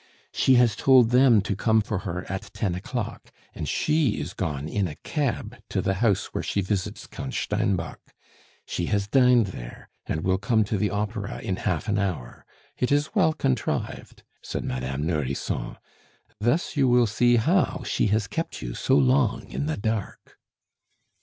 "She has told them to come for her at ten o'clock, and she is gone in a cab to the house where she visits Count Steinbock. She has dined there, and will come to the Opera in half an hour. It is well contrived!" said Madame Nourrisson. "Thus you see how she has kept you so long in the dark."